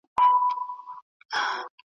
فکر وکړي چي ناروغ ,